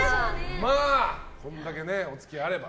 これだけお付き合いがあれば。